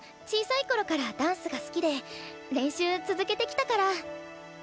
小さい頃からダンスが好きで練習続けてきたから。